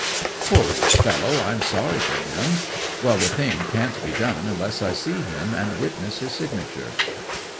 '"Poor old fellow—I'm sorry for him. Well, the thing can't be done unless I see him and witness his signature."